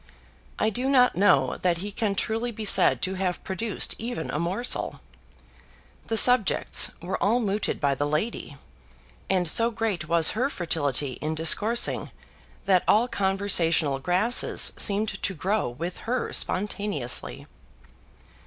I do not know that he can truly be said to have produced even a morsel. The subjects were all mooted by the lady, and so great was her fertility in discoursing that all conversational grasses seemed to grow with her spontaneously.